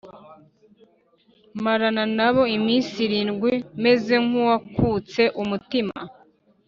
marana na bo iminsi irindwi, meze nk’uwakutse umutima